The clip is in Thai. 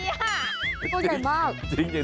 ความพูดใหญ่มากจริงสิ